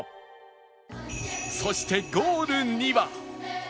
そしてゴールには